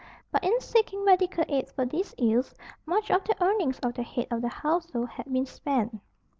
But in seeking medical aid for these ills, much of the earnings of the head of the household had been spent.